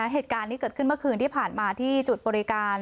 เหตุการณ์นี้เกิดขึ้นเมื่อคืนที่ผ่านมาที่จุดบริการ